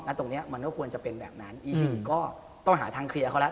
ตรงเนี้ยมันก็ควรจะเป็นแบบนั้นอีซีอิก็ต้องหาทางเคลียร์เขาแล้ว